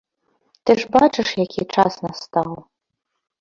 Ты ж бачыш, які час настаў.